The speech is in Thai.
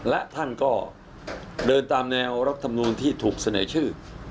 และท่านก็เดินตามแนวรัฐธรรมนูลที่ถูกเสนอชื่อ